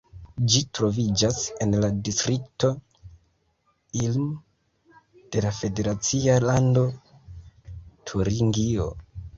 Ĝi troviĝas en la distrikto Ilm de la federacia lando Turingio.